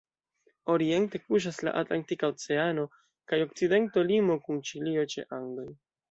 Oriente kuŝas la Atlantika Oceano kaj okcidento limo kun Ĉilio ĉe Andoj.